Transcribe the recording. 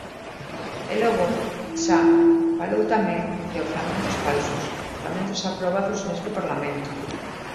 E logo, xa, falou tamén de orzamentos falsos, orzamentos aprobados neste Parlamento.